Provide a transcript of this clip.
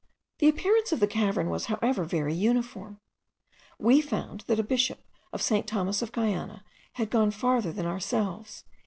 The appearance of the cavern was however very uniform. We found that a bishop of St. Thomas of Guiana had gone farther than ourselves.